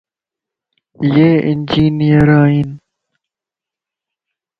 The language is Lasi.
يي انجينئر ائين